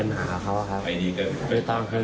ยกเขาหัวหกหรือ